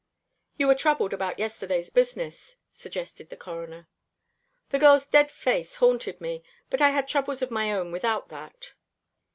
"You were troubled about yesterday's business," suggested the Coroner. "The girl's dead face haunted me; but I had troubles of my own without that."